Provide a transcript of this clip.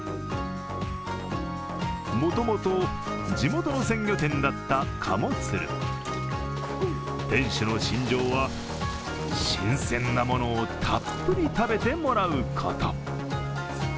もともと、地元の鮮魚店だった鴨鶴店主の信条は、新鮮なものをたっぷり食べてもらうこと。